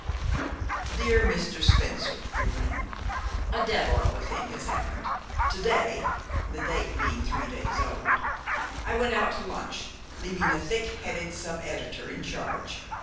"DEAR MR. SPENCER," it ran, "A devil of a thing has happened. To day," the date being three days old, "I went out to lunch, leaving a thick headed subeditor in charge.